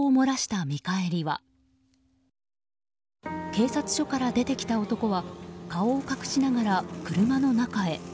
警察署から出てきた男は顔を隠しながら車の中へ。